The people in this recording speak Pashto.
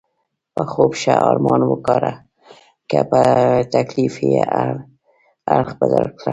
په خوب ښه ارمان وکاږه، که په تکلیف یې اړخ بدل کړه.